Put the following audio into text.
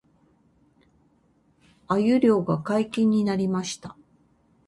鮎漁が解禁になりました